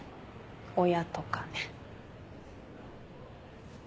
親とかね。